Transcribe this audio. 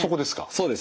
そうです。